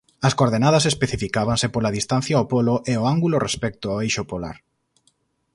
As coordenadas especificábanse pola distancia ao polo e o ángulo respecto ao eixo polar.